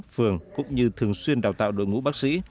phường cũng như thường xuyên đào tạo đội ngũ bác sĩ